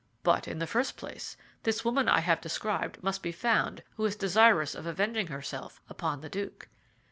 "But in the first place, this woman I have described must be found who is desirous of avenging herself upon the duke."